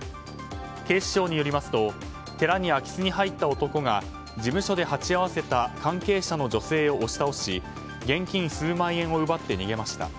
警視庁によりますと寺に空き巣に入った男が事務所で鉢合わせた関係者の女性を押し倒し現金数万円を奪って逃げました。